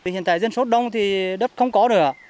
hiện tại dân số đông thì đất không có được